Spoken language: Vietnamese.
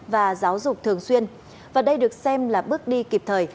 và giáo dục thường xuyên và đây được xem là bước đi kịp thời